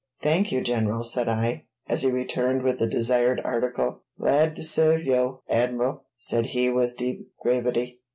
"Thank you, General," said I, as he returned with the desired article. "Glad to serve yo', Admiral," said he with deep gravity.